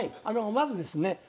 まずですね